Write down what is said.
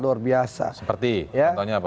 luar biasa seperti ya contohnya apa